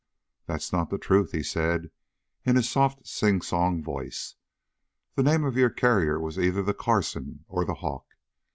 "That is not the truth," he said in his soft sing song voice. "The name of your carrier was either the Carson, or the Hawk.